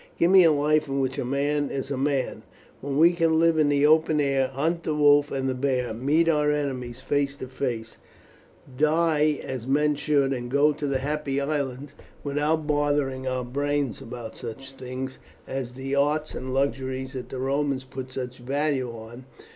Give me a life in which a man is a man; when we can live in the open air, hunt the wolf and the bear, meet our enemies face to face, die as men should, and go to the Happy Island without bothering our brains about such things as the arts and luxuries that the Romans put such value on.